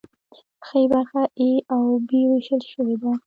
ښي برخه په ای او بي ویشل شوې ده.